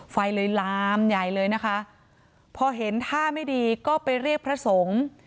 ไฟเลยลามใหญ่เลยนะคะพอเห็นท่าไม่ดีก็ไปเรียกพระสงฆ์